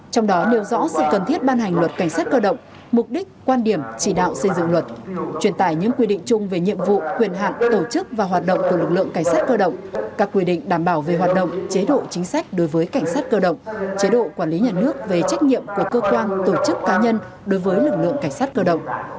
trong đó nêu rõ sự cần thiết ban hành luật cảnh sát cơ động mục đích quan điểm chỉ đạo xây dựng luật truyền tải những quy định chung về nhiệm vụ quyền hạn tổ chức và hoạt động của lực lượng cảnh sát cơ động các quy định đảm bảo về hoạt động chế độ chính sách đối với cảnh sát cơ động chế độ quản lý nhà nước về trách nhiệm của cơ quan tổ chức cá nhân đối với lực lượng cảnh sát cơ động